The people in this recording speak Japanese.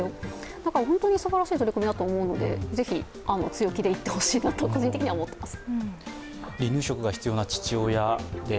だから、本当にすばらしい取り組みだと思いますので、ぜひ、お願いしたいと個人的には思っています。